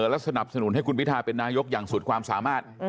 และสนับสนุนให้คุณพิทาเป็นนายกอย่างสุดความสามารถ